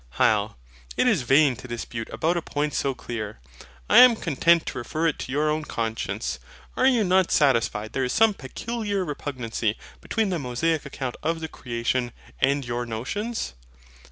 HYL. It is in vain to dispute about a point so clear. I am content to refer it to your own conscience. Are you not satisfied there is some peculiar repugnancy between the Mosaic account of the creation and your notions?